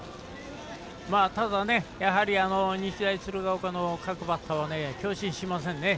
ただ日大鶴ヶ丘の各バッターは強振しませんね。